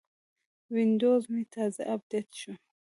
وینډوز مې تازه اپډیټ شو.